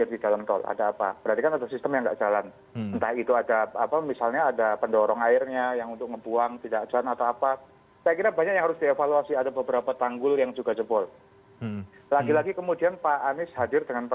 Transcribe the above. di mana akan dibangun situ di mana akan dibangun bendungan sehingga air itu tidak langsung masuk jakarta